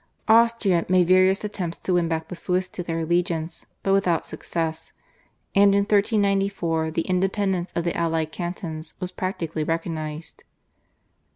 Austria made various attempts to win back the Swiss to their allegiance but without success, and in 1394 the independence of the allied cantons was practically recognised.